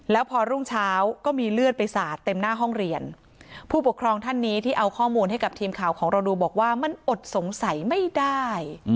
แล้วพอรุ่งเช้าก็มีเลือดไปสาดเต็มหน้าห้องเรียนผู้ปกครองท่านนี้ที่เอาข้อมูลให้กับทีมข่าวของเราดูบอกว่ามันอดสงสัยไม่ได้